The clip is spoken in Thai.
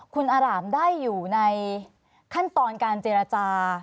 คุณอารามได้อยู่ในขั้นตอนการเจรจา